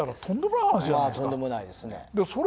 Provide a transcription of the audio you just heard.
とんでもないですね。